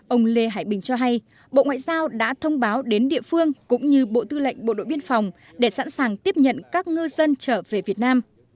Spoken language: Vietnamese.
ông lê hải bình cho hay bộ ngoại giao đã thông báo đến địa phương cũng như bộ tư lệnh bộ đội biên phòng để sẵn sàng tiếp nhận các ngư dân trở về việt nam